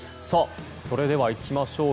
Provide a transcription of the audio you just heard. それではいきましょう。